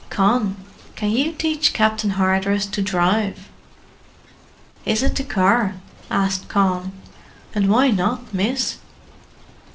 "Con, can you teach Captain Hardress to drive?" "Is it the car?" asked Con. "And why not, miss?"